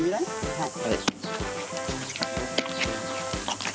はい。